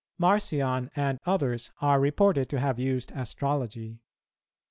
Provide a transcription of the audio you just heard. Marcion and others are reported to have used astrology.